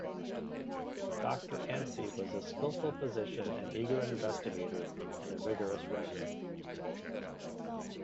Doctor Anstie was a skilful physician, an eager investigator, and a vigorous writer.